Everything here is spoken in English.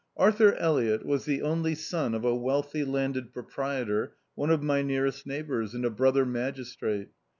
Arthur Elliott was the only son of a wealthy landed proprietor, one of my nearest neighbours, and a brother magis trate.